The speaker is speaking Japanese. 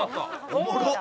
「おもろっ！」